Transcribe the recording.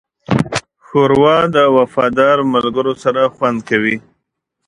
ښوروا د وفادار ملګرو سره خوند کوي.